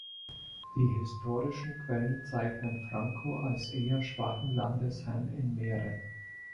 Die historischen Quellen zeichnen Franco als eher schwachen Landesherrn in Mähren.